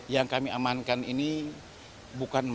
yang kami amankan ini bukan